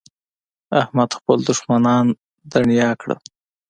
احمد خپل دوښمنان دڼيا کړل.